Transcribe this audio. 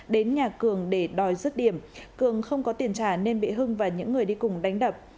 đến nhà cường để đòi dứt điểm cường không có tiền trả nên bị hưng và những người đi cùng đánh đập